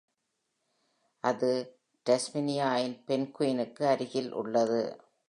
அது Tasmania ன் Penguin க்கு அருகில் உள்ளது.